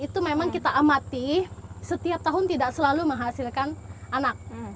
itu memang kita amati setiap tahun tidak selalu menghasilkan anak